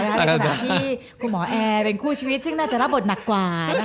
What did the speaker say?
เป็นหลักสัปดาห์ที่คุณหมอแอร์เป็นคู่ชีวิตซึ่งน่าจะระบบหนักกว่านะคะ